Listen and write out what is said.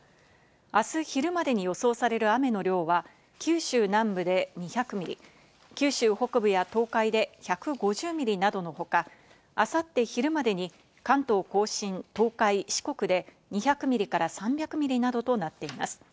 あす昼までに予想される雨の量は九州南部で２００ミリ、九州北部や東海で１５０ミリなどの他、あさって昼までに関東甲信、東海、四国で２００ミリから３００ミリなどとなっています。